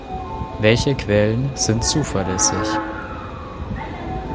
Welche Quellen sind zuverlässig?